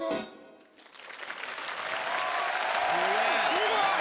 すごい！